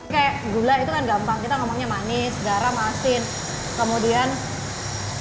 kayak gula itu kan gampang kita ngomongnya manis garam asin kemudian cuka itu masam